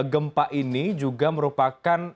gempa ini juga merupakan